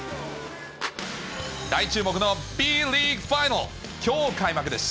大注目のＢリーグファイナル、きょう開幕です。